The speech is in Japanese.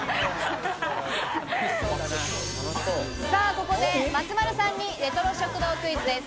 ここで松丸さんにレトロ食堂クイズです。